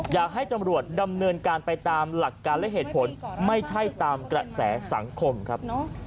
อยากให้ตำรวจดำเนินการไปตามหลักการและเหตุผลไม่ใช่ตามกระแสสังคมครับ